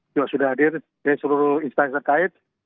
juga sudah ada dari seluruh instansi terkait